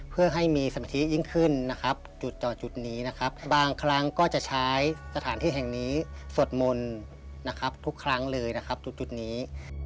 เพื่อให้มีสมาธิยิ่งขึ้นนะครับจุดต่อจุดนี้นะครับบางครั้งก็จะใช้สถานที่แห่งนี้สวดมนต์นะครับทุกครั้งเลยนะครับจุดนี้